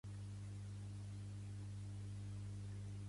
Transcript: Qui viu al carrer d'Ariosto número trenta-cinc?